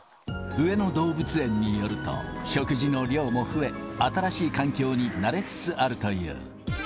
上野動物園によると、食事の量も増え、新しい環境に慣れつつあるという。